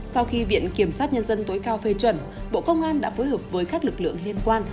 sau khi viện kiểm sát nhân dân tối cao phê chuẩn bộ công an đã phối hợp với các lực lượng liên quan